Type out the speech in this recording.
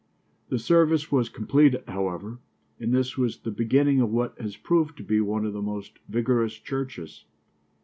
The service was completed, however, and this was the beginning of what has proved to be one of our most vigorous churches.